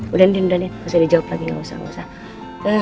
udah nih udah nih gak usah dijawab lagi gak usah